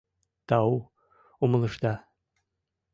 Тау, умылышда.